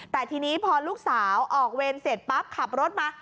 แต่ทีนี้พอลูกสาวออกเวรเสร็จปั๊บขับรถมา